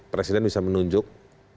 presiden bisa menunjuk